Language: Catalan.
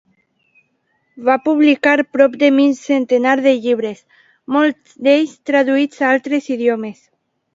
Va publicar prop de mig centenar de llibres, molts d'ells traduïts a altres idiomes.